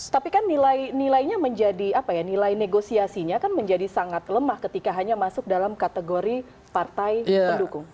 tapi kan nilainya menjadi apa ya nilai negosiasinya kan menjadi sangat lemah ketika hanya masuk dalam kategori partai pendukung